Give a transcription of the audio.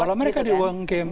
kalau mereka diwongke